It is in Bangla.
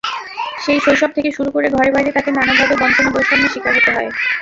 সেই শৈশব থেকে শুরু করে ঘরে-বাইরে তাকে নানাভাবে বঞ্চনা-বৈষম্যের শিকার হতে হয়।